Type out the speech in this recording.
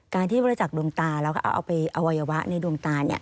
การที่บริจักษ์ดวงตาแล้วก็เอาไปอวัยวะในดวงตาเนี่ย